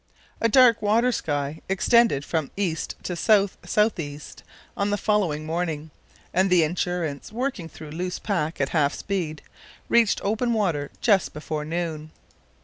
A dark water sky extended from east to south south east on the following morning, and the Endurance, working through loose pack at half speed, reached open water just before noon.